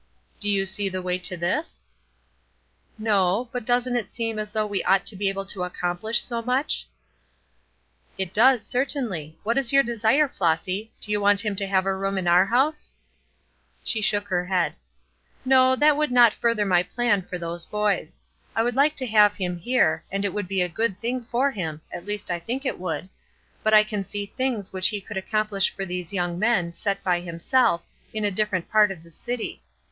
"Do you see the way to this?" "No, but doesn't it seem as though we ought to be able to accomplish so much?" "It does, certainly. What is your desire, Flossy? Do you want him to have a room in our house?" She shook her head. "No, that would not further my plan for those boys. I would like to have him here, and it would be a good thing for him, at least I think it would; but I can see things which he could accomplish for these young men, set by himself, in a different part of the city.